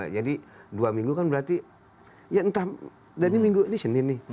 jadi dua minggu kan berarti ya entah ini minggu ini senin nih